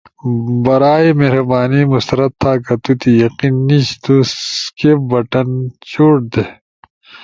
برائے مہربانی مسترد تھا۔ کہ تو تی یقین نیِش تو سکیپ بٹن چوٹ دے۔